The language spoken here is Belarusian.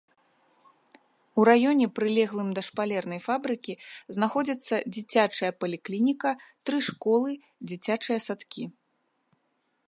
У раёне, прылеглым да шпалернай фабрыкі, знаходзяцца дзіцячая паліклініка, тры школы, дзіцячыя садкі.